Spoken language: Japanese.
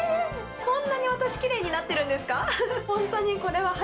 こんなに私キレイになってるんですか？